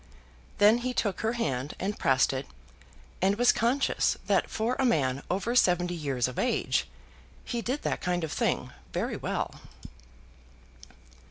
Then he took her hand and pressed it, and was conscious that for a man over seventy years of age he did that kind of thing very well.